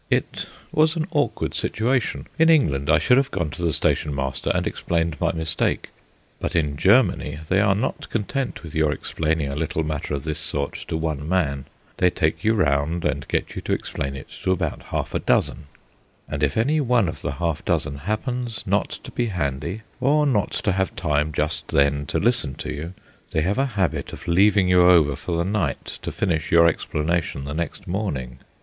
It was an awkward situation. In England, I should have gone to the stationmaster and explained my mistake. But in Germany they are not content with your explaining a little matter of this sort to one man: they take you round and get you to explain it to about half a dozen; and if any one of the half dozen happens not to be handy, or not to have time just then to listen to you, they have a habit of leaving you over for the night to finish your explanation the next morning.